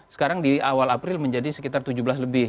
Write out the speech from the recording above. sekarang di awal april menjadi sekitar tujuh belas lebih